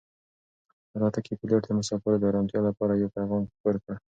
د الوتکې پېلوټ د مسافرو د ارامتیا لپاره یو پیغام خپور کړ.